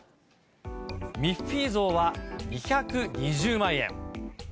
ミッフィー像は２２０万円。